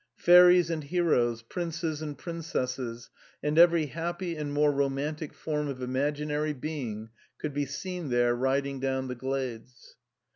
Fairies and heroes, princes and princesses, and every happy and more romantic form of imaginary being, could be seen there riding down the glades.